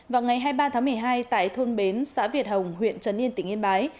vào ngày hai mươi ba tháng một mươi hai tại thôn bến xã việt hồng huyện trấn yên tỉnh yên bái